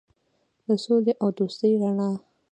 د سولې او دوستۍ رڼا.